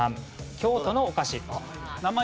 京都のお菓子。